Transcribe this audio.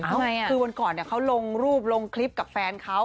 ทำไมคือวันก่อนเขาลงรูปลงคลิปกับแฟนเขา